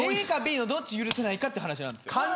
ＡかＢのどっち許せないかって話なんですよ。